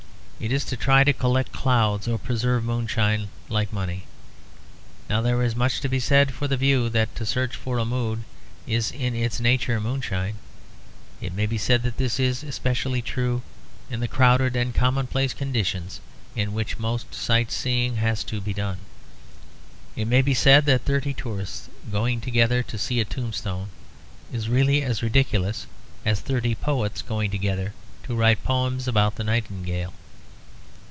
It is to try to collect clouds or preserve moonshine like money. Now there is much to be said for the view that to search for a mood is in its nature moonshine. It may be said that this is especially true in the crowded and commonplace conditions in which most sight seeing has to be done. It may be said that thirty tourists going together to see a tombstone is really as ridiculous as thirty poets going together to write poems about the nightingale.